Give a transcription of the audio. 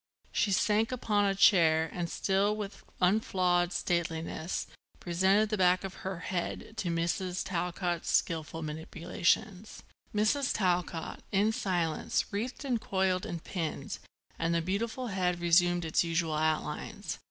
She sank upon a chair and, still with unflawed stateliness, presented the back of her head to Mrs. Talcott's skilful manipulations. Mrs. Talcott, in silence, wreathed and coiled and pinned and the beautiful head resumed its usual outlines.